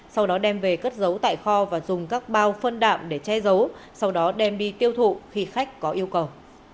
sau đó đem về cất giấu tại kho và dùng các bao phân đạm để che giấu sau đó đem đi tiêu thụ khi khách có yêu cầu